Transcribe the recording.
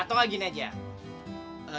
atau nggak gini aja